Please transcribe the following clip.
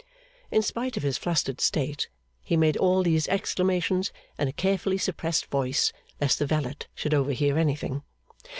In spite of his flustered state, he made all these exclamations in a carefully suppressed voice, lest the valet should overhear anything.